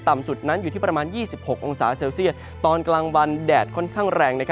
จุดนั้นอยู่ที่ประมาณ๒๖องศาเซลเซียตตอนกลางวันแดดค่อนข้างแรง